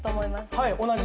はい。